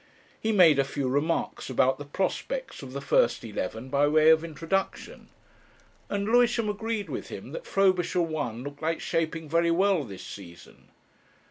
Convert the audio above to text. He made a few remarks about the prospects of the first eleven by way of introduction, and Lewisham agreed with him that Frobisher i. looked like shaping very well this season.